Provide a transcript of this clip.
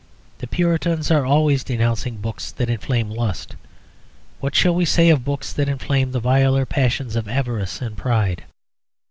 The Puritans are always denouncing books that inflame lust; what shall we say of books that inflame the viler passions of avarice and pride?